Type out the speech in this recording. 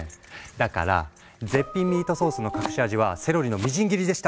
だから「絶品ミートソースの隠し味はセロリのみじん切りでした！」